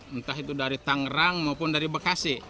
entah itu dari tangerang maupun dari bekasi